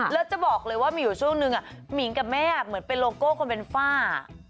แล้วจะบอกเลยว่ามีอยู่ช่วงนึงหมิงกับแม่เหมือนเป็นโลโก้คนเป็นฝ้า